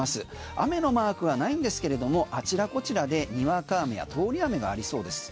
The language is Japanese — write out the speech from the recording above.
雨のマークはないんですけれどもあちらこちらでにわか雨や通り雨がありそうです。